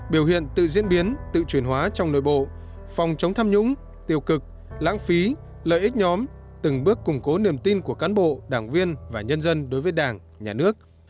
biểu hiện tự diễn biến tự truyền hóa trong nội bộ phòng chống tham nhũng tiêu cực lãng phí lợi ích nhóm từng bước củng cố niềm tin của cán bộ đảng viên và nhân dân đối với đảng nhà nước